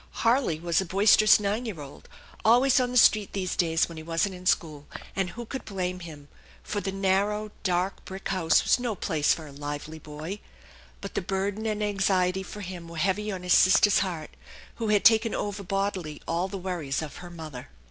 Harley was a boisterous nine year old, always on the street these days when he wasn't in school; and who could blame him? For the narrow, dark brick house was no place for a lively boy. But the burden and anxiety for him were heavy on his sister's heart, who had taken over bodily all the worries of her mother.